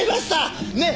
ねえ